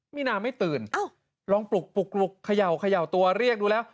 มีนาไม่ตื่นอ้าวลองปลุกปลุกปลุกขย่าวขย่าวตัวเรียกดูแล้ว